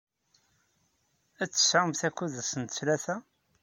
Ad tesɛumt akud ass n ttlata?